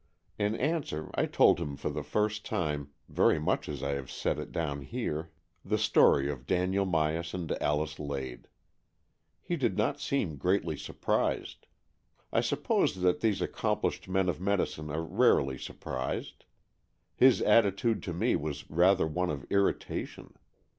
^'' In answer I told him for the first time, very much as I have set it down here, the Story of Daniel Myas and Alice Lade. He did not seem greatly surprised. I suppose that these accomplished men of medicine are rarely surprised. His attitude to me was rather one of irritation.